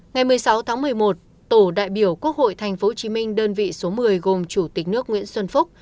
ngày một mươi sáu tháng một mươi một tổ đại biểu quốc hội tp hcm đơn vị số một mươi gồm chủ tịch nước nguyễn xuân phúc